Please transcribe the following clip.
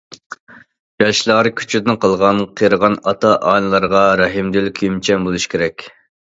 ياشلار كۈچىدىن قالغان قېرىغان ئاتا- ئانىلىرىغا رەھىمدىل، كۆيۈمچان بولۇشى كېرەك.